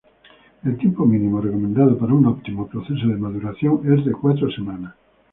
El tiempo mínimo recomendado para un óptimo proceso de maduración es de cuatro semanas.